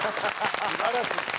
素晴らしい。